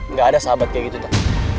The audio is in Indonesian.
nggak ada sahabat kayak gitu tuh